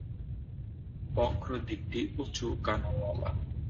বক্র দিকটি উঁচু কানাওয়ালা।